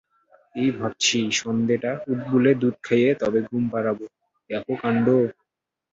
এই ভাবছি সন্দেটা উৎবুলে দুধ খাইয়ে তবে ঘুম পাড়াবো-দেখো কাণ্ড!